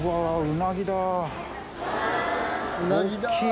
うなぎだ！